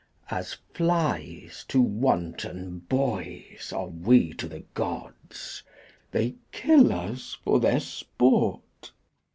As flies to wanton boys are we to th' gods. They kill us for their sport.